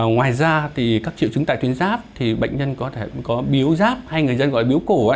ngoài ra thì các triệu chứng tại tuyến giáp thì bệnh nhân có thể có biếu giáp hay người dân gọi biếu cổ